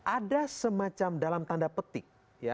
ada semacam dalam tanda petik